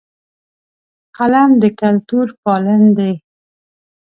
قلم د کلتور پالن دی